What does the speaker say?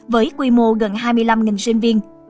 với quy mô gần hai mươi năm sinh viên